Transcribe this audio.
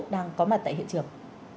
đang có mặt tại hiện trường